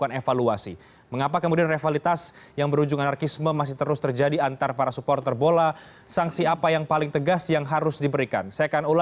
selamat malam bang rafil